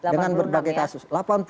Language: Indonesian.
dengan berbagai kasus